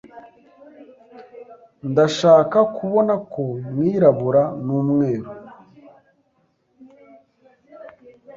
Ndashaka kubona ko mwirabura n'umweru.